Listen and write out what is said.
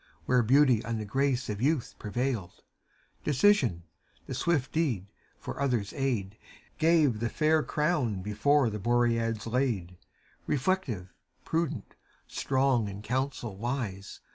Where ^auty and the grace of youth prevailed : Decision, the swift deed for others' aid. Gave the fair crown before the Boreads laid: Reflective, prudent, strong, in council wise.